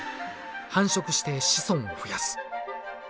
繁殖して子孫を増やす。